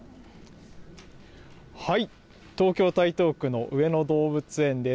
東京・台東区の上野動物園です。